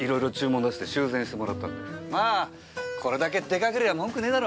まあこれだけデカけりゃ文句ねえだろ。